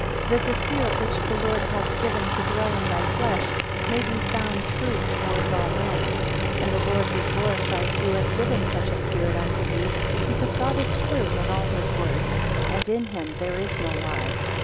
2 That the spirit which the Lord hath given to dwell in thy flesh may be found true towards all men; and the Lord be glorified, who hath given such a spirit unto thee: because God is true in all his words, and in him there is no lie.